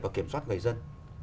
và kiểm soát người dân